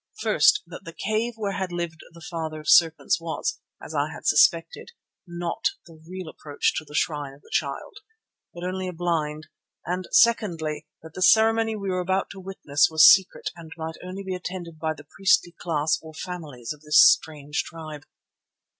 First, that the cave where had lived the Father of Serpents was, as I had suspected, not the real approach to the shrine of the Child, but only a blind; and, secondly, that the ceremony we were about to witness was secret and might only be attended by the priestly class or families of this strange tribe.